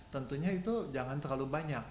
tentunya itu jangan terlalu banyak